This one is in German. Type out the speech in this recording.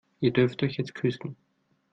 Ihr dürft euch jetzt küssen.